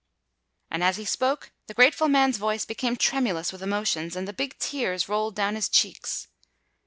And as he spoke, the grateful man's voice became tremulous with emotions; and the big tears rolled down his cheeks.